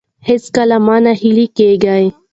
هیڅکله مه نه هیلي کیږئ.